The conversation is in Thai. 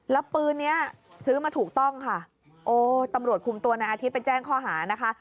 แล้วปืนนี้ซื้อมาถูกต้องค่ะโอ้ตำรวจคุมตัวนายอาทิตย์ไปแจ้งข้อหานะคะ